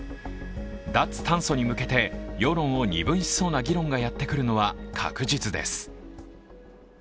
脱炭素に向けて世論を二分しそうな議論がやってきそうなのは確実です。